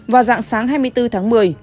vào giảng sáng hai mươi bốn tháng một mươi